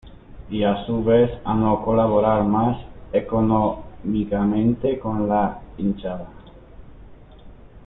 Y a su vez, a no colaborar más económicamente con la hinchada.